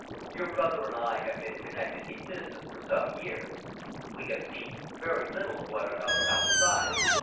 "Your brother and I have been connected in business for some years. We have seen very little of one another outside."